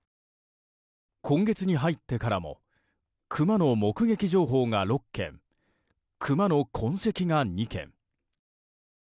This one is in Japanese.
今月に入ってからもクマの目撃情報が６件クマの痕跡が２件。